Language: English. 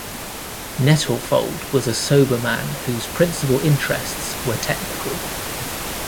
Nettlefold was a sober man whose principal interests were technical.